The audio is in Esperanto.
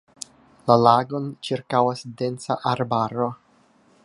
La lagon ĉirkaŭas densa arbaro.